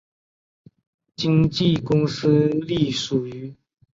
经纪公司隶属于。